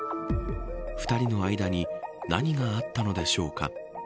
２人の間に何があったのでしょうか。